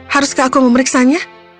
haruskah aku memeriksanya